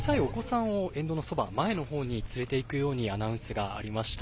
沿道のそば、前のほうに連れていくようにアナウンスがありました。